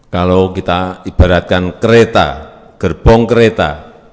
kalau kita ibaratkan kereta gerbong kereta